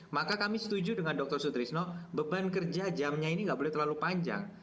maka kami setuju dengan dr sutrisno beban kerja jamnya ini nggak boleh terlalu panjang